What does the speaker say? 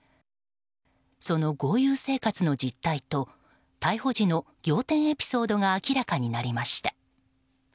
その豪遊生活の実態と逮捕時の仰天エピソードが明らかになりました。